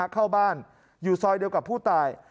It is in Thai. เข้าบ้านอยู่ซอยเดียวกับผู้ตาย